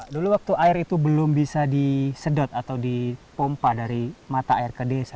dulu waktu air itu belum bisa disedot atau dipompa dari mata air ke desa